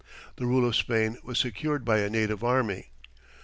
The rule of Spain was secured by a native army.